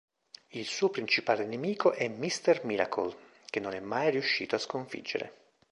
Il suo principale nemico è Mister Miracle, che non è mai riuscito a sconfiggere.